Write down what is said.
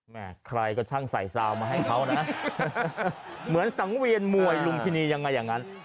ใครก็ช่างใส่ซาวมาให้เขานะเหมือนสังเวียนมวยลุมพินียังไงอย่างนั้น